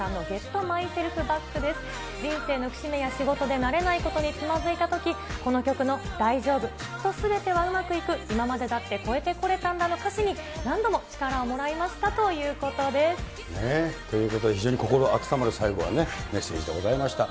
人生や仕事など慣れないことでつまずいたとき、この曲の大丈夫、きっとすべてはうまくいく、今までだって越えてこれたんだの歌詞に何度も力をもらいましたとということで、非常に心温まる最後はね、メッセージでございました。